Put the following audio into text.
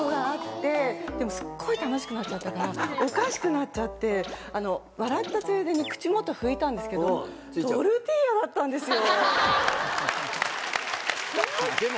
すっごい楽しくなったからおかしくなっちゃって笑ったついでに口元拭いたんですけどトルティーヤだったんですよ。